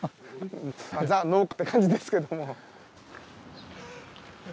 ザ農家って感じですけども。